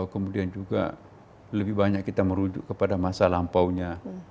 kemudian juga lebih banyak kita merujuk kepada masa lampaunya